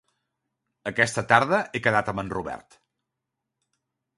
Aquesta tarda he quedat amb en Robert.